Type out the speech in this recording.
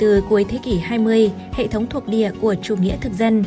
từ cuối thế kỷ hai mươi hệ thống thuộc địa của chủ nghĩa thực dân